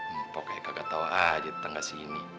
mpok kayak gak tau aja di tengah sini